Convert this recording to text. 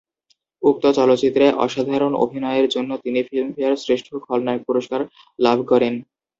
উক্ত চলচ্চিত্রে অসাধারণ অভিনয়ের জন্য তিনি ফিল্মফেয়ার শ্রেষ্ঠ খল-নায়ক পুরস্কার লাভ করেন।